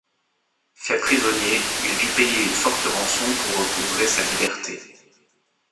Fait prisonnier, il dut payer une forte rançon pour recouvrer sa liberté.